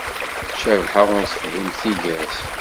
Cabḥa ur tefhim tigert.